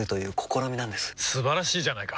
素晴らしいじゃないか！